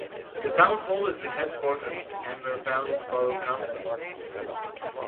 The town hall is the headquarters of Amber Valley Borough Council.